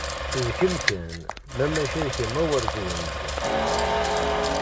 D kem kan, ma mači d kem a wer zwaǧ.